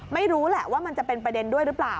ไม่รู้แหละว่ามันจะเป็นประเด็นด้วยหรือเปล่า